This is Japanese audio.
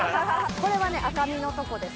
これは赤身のとこです。